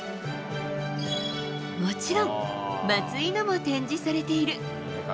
もちろん、松井のも展示されている。